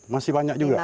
masih banyak juga